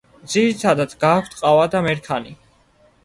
ძირითადად გააქვთ ყავა და მერქანი.